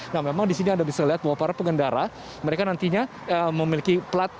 nah memang di sini anda bisa lihat bahwa para pengendara mereka nantinya memiliki plat